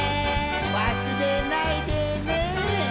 わすれないでね。